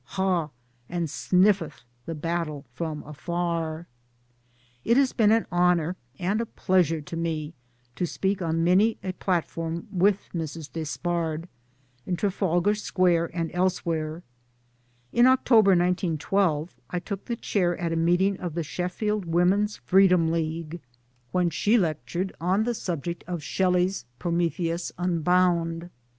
ha 1 and sniff eth the battle from afar I " It has been an honour and a pleasure to me to speak on many a platform with Mrs. Despard in Trafalgar Square and elsewhere. In October 1912 I took the chair at a meeting of the Sheffield Women's Freedom League, 2'64 MY DAYS AND DREAMS when she lectured on the subject of Shelley's Pro metheus Unbound.